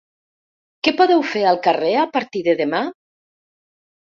Què podeu fer al carrer a partir de demà?